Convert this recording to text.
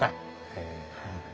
へえ。